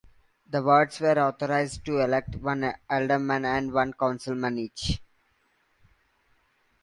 The wards were authorized to elect one alderman and one councilman each.